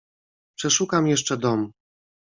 "Przeszukam jeszcze dom."